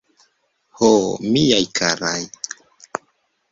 Ho, miaj karaj!